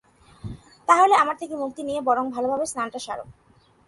তাহলে আমার থেকে মুক্তি নিয়ে বরং ভালোভাবে স্নানটা সারো।